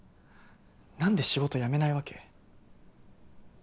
なんで仕事辞めないわけ？